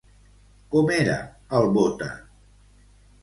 Com era el Bóta?